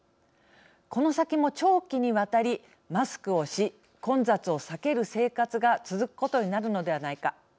この先も長期にわたりマスクをし混雑を避ける生活が続くことになるのではないか。